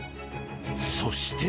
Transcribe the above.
そして。